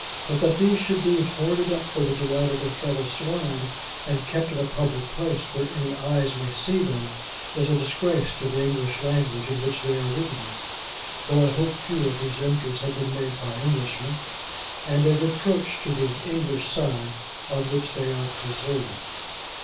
But that these should be hoarded up for the delight of their fellow swine, and kept in a public place where any eyes may see them, is a disgrace to the English language in which they are written (though I hope few of these entries have been made by Englishmen), and a reproach to the English side, on which they are preserved.